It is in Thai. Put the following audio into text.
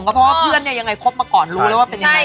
เพราะว่าเพื่อนเนี่ยยังไงคบมาก่อนรู้แล้วว่าเป็นยังไง